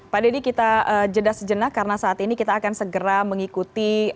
pak dedy kita jeda sejenak karena saat ini kita akan segera mengikuti